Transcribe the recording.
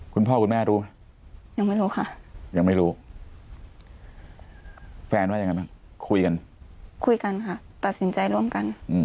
คุณพ่อคุณแม่รู้ไหมยังไม่รู้ค่ะแฟนไว้ยังไงคุยกันคุยกันค่ะตัดสินใจร่วมกัน